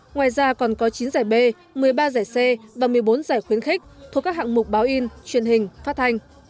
ngoài ra còn có chín giải b một mươi ba giải c và một mươi bốn giải khuyến khích thuộc các hạng mục báo in truyền hình phát thanh